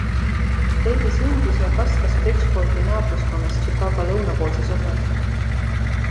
Daley sündis ja kasvas Bridgeporti naabruskonnas Chicago lõunapoolses osas.